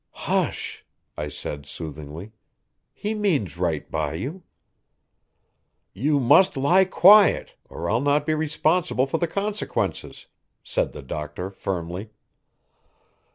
"Hush!" I said soothingly. "He means right by you." "You must lie quiet, or I'll not be responsible for the consequences," said the doctor firmly.